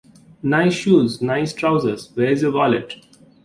Nice shoes, nice trousers, where is your wallet?